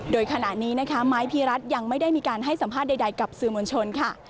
โดยขณะนี้นะคะไม้พีรัฐยังไม่ได้มีการให้สัมภาษณ์ใดกับสื่อมวลชนค่ะ